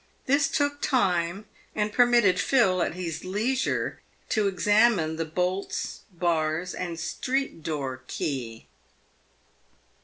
This took time, and permitted Phil, at his leisure, to examine the bolts, bars, and street door key.